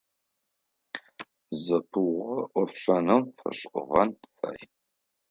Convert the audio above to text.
Зэпыугъо ӏофшӏэным фэшӏыгъэн фай.